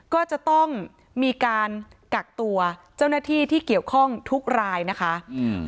ก็จะต้องมีการกักตัวเจ้าหน้าที่ที่เกี่ยวข้องทุกรายนะคะอืม